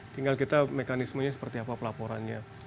tinggal kita mekanismenya seperti apa pelaporannya